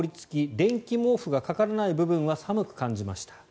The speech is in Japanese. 電気毛布がかからない部分は寒く感じました。